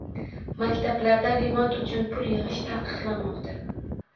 Maktablarda “remont” uchun pul yigʻish taqiqlanmoqda.